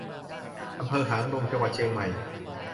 อำเภอหางดง จังหวัดเชียงใหม่